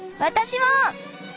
私も！